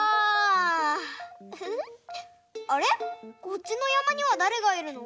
こっちのやまにはだれがいるの？